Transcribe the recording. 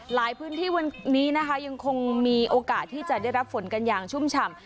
หลายพื้นที่วันนี้นะคะยังคงมีโอกาสที่จะได้รับฝนกันอย่างชุ่มฉ่ำ